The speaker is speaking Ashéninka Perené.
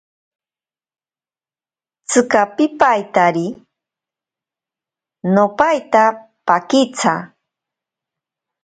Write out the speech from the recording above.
Tsika pipaitari. No paita pakitsa.